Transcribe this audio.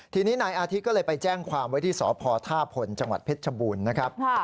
ทีนี้นายอาทิตย์ก็เลยไปแจ้งความไว้ที่สพท่าพลจังหวัดเพชรชบูรณ์นะครับ